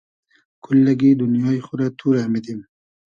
کوللئگی دونیای خو رۂ تو رۂ میدیم